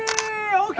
ＯＫ！